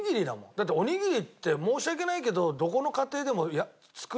だっておにぎりって申し訳ないけどどこの家庭でも作れるじゃない。